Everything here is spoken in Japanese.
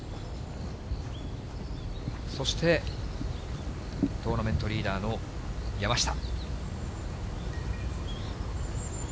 そして、トーナメントリーダーの山下。